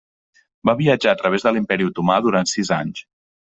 Va viatjar a través de l'Imperi otomà durant sis anys.